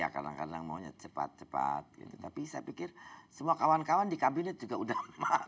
kadang kadang maunya cepat cepat gitu tapi saya pikir semua kawan kawan di kabinet juga udah